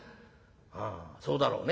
「ああそうだろうね。